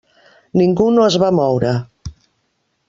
Ningú no es va moure.